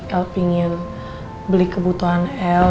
el pengen beli kebutuhan el